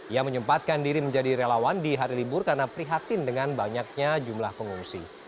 ia menyempatkan diri menjadi relawan di hari libur karena prihatin dengan banyaknya jumlah pengungsi